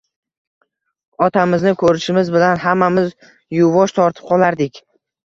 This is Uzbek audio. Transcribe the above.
Otamizni ko‘rishimiz bilan hammamiz yuvosh tortib qolardik.